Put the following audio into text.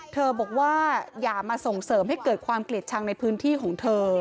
บอกว่าอย่ามาส่งเสริมให้เกิดความเกลียดชังในพื้นที่ของเธอ